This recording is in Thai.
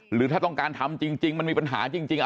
หรือถ้าต้องการทำจริงมันมีปัญหาจริง